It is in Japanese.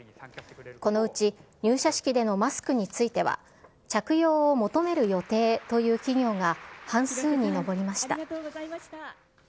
このうち、入社式でのマスクについては、着用を求める予定という企業が半数に上りました。